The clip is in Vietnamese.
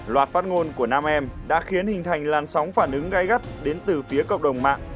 loạt phát ngôn của nam em đã khiến hình thành làn sóng phản ứng gai gắt đến từ phía cộng đồng mạng